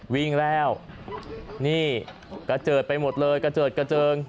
วิ่งแล้วนี่กระเจิดไปหมดเลยกระเจิดกระเจิง